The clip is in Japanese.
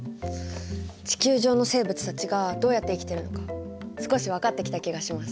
地球上の生物たちがどうやって生きてるのか少し分かってきた気がします。